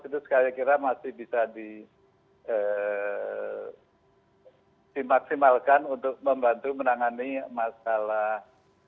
itu saya kira masih bisa dimaksimalkan untuk membantu menangani masalah